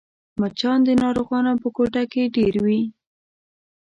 مچان د ناروغانو په کوټه کې ډېر وي